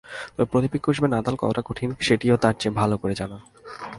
তবে প্রতিপক্ষ হিসেবে নাদাল কতটা কঠিন, সেটিও তাঁর চেয়ে ভালো করেই জানা।